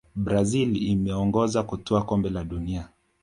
brazil inaongoza kutwaa kombe la dunia